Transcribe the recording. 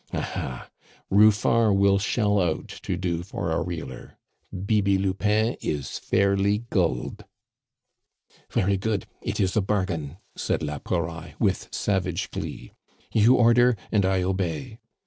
Ah, ha! Ruffard will shell out to do for a reeler. Bibi Lupin is fairly gulled!" "Very good, it is a bargain," said la Pouraille with savage glee. "You order, and I obey."